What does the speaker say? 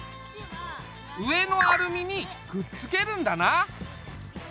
上のアルミにくっつけるんだな。